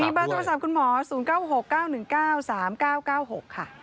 เบอร์โทรศัพท์คุณหมอ๐๙๖๙๑๙๓๙๙๖ค่ะ